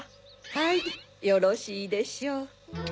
はいよろしいでしょう。